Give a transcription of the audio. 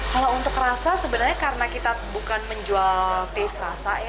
kalau untuk rasa sebenarnya karena kita bukan menjual taste rasa ya